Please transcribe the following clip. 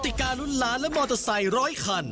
กฎิกาลุ้นล้านและมอเตอร์ไซค์๑๐๐คัน